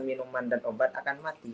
minuman dan obat akan mati